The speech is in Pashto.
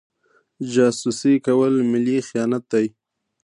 جاسوسي کول ملي خیانت دی.